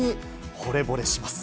ほれぼれします。